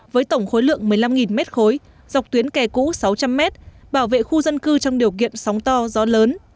với tổng khối lượng một mươi năm mét khối dọc tuyến kè cũ sáu trăm linh mét bảo vệ khu dân cư trong điều kiện sóng to gió lớn